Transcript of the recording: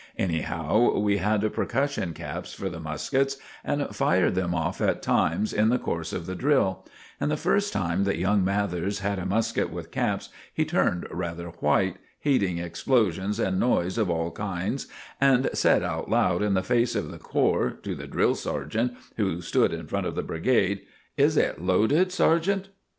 Anyhow, we had percussion caps for the muskets, and fired them off at times in the course of the drill; and the first time that young Mathers had a musket with caps he turned rather white, hating explosions and noise of all kinds, and said out loud in the face of the corps, to the drill sergeant who stood in front of the brigade, "Is it loaded, sergeant?"